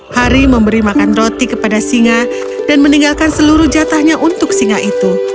hari memberi makan roti kepada singa dan meninggalkan seluruh jatahnya untuk singa itu